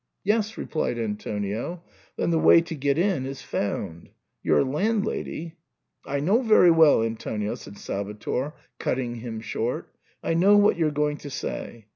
"Yes," replied Antonio, "then the way to get in is foimd ; your landlady "" I know very well, Antonio," said Salvator, cutting him short, "I know what you're going to say.